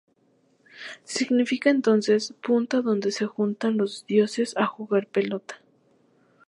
Significa entonces: "Punta donde se juntan los dioses a jugar pelota".